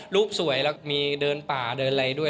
สวยแล้วมีเดินป่าเดินอะไรด้วย